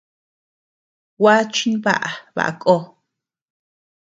Gua chimbaʼa baʼa ko.